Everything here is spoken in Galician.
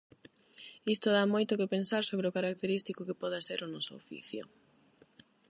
Isto dá moito que pensar sobre o característico que poida ser o noso oficio.